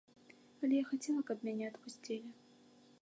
Але я хацела, каб мяне адпусцілі.